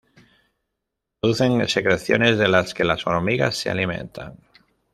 Producen secreciones de las que las hormigas se alimentan.